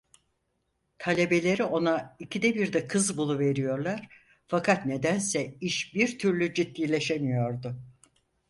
Talebeleri ona ikide birde kız buluveriyorlar fakat nedense iş bir türlü ciddileşemiyordu.